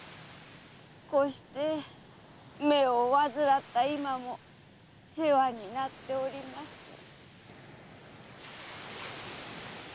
こうして目を患った今も世話になっております。